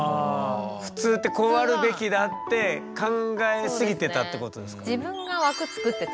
普通ってこうあるべきだって考えすぎてたってことですか？